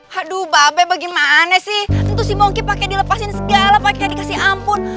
haduh mbak be bagaimana sih tentu si bongki pake dilepasin segala pake dikasih ampun